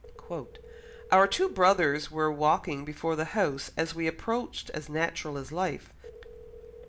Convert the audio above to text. "Our two brothers were walking before the house as we approached as natural as life.